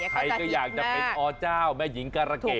ใครก็อยากจะเป็นอเจ้าแม่หญิงการะเกด